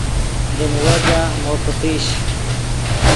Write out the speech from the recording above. دیم وجہ مو پتیش